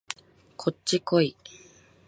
こっちこい